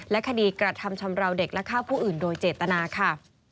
คดีกระทำชำราวเด็กและฆ่าผู้อื่นโดยเจตนาค่ะ